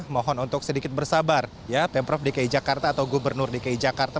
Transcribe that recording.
mohon untuk sedikit bersabar ya pemprov dki jakarta atau gubernur dki jakarta